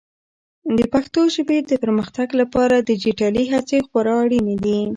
د پښتو ژبې د پرمختګ لپاره ډیجیټلي هڅې خورا اړینې دي.